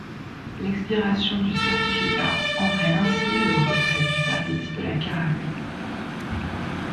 L'expiration du certificat entraîne ainsi le retrait du service de la Caravelle.